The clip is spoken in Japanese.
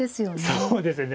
そうですね。